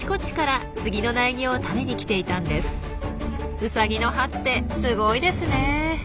ウサギの歯ってすごいですね。